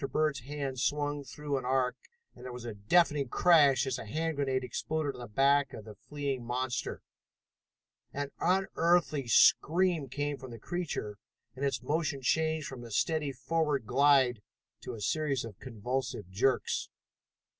Bird's hand swung through an arc, and there was a deafening crash as a hand grenade exploded on the back of the fleeing monster. An unearthly scream came from the creature, and its motion changed from a steady forward glide to a series of convulsive jerks.